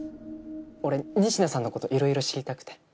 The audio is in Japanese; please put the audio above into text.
俺仁科さんのこといろいろ知りたくて。